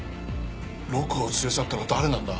ロクを連れ去ったのは誰なんだ？